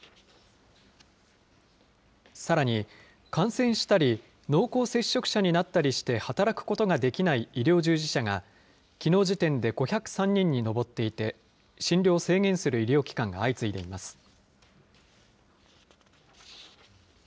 さらに、感染したり、濃厚接触者になったりして、働くことができない医療従事者が、きのう時点で５０３人に上っていて、診療を制限する医療機関が相次いでいます。